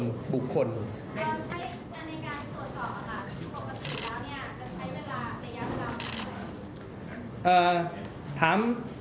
ในการตรวจสอบปกติแล้วเนี่ยจะใช้เวลาในย้ายเวลาไหน